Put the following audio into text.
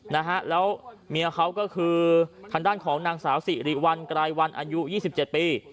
นะฮะแล้วเมียเขาก็คือคันด้านของนางสาวสิริวันกรายวันอายุ๒๗ปี